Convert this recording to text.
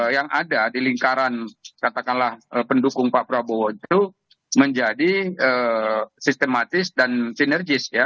yang ada di lingkaran katakanlah pendukung pak prabowo itu menjadi sistematis dan sinergis ya